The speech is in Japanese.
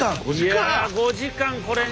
いや５時間これに。